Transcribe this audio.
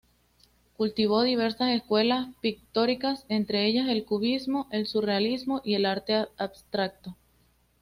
Cultivó diversas escuelas pictóricas entre ellas el cubismo, el surrealismo y el arte abstracto.